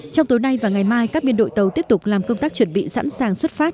trong tối nay và ngày mai các biên đội tàu tiếp tục làm công tác chuẩn bị sẵn sàng xuất phát